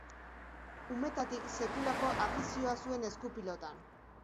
Umetatik sekulako afizioa zuen eskupilotan.